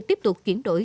tiếp tục chuyển đổi